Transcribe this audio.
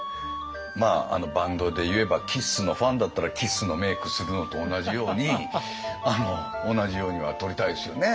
まあバンドでいえばＫＩＳＳのファンだったらＫＩＳＳのメークするのと同じように同じようには撮りたいですよね